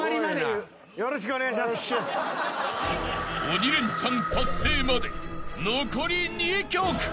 ［鬼レンチャン達成まで残り２曲］